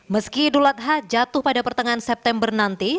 meski idul adha jatuh pada pertengahan september nanti